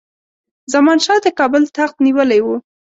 زمان شاه د کابل تخت نیولی وو.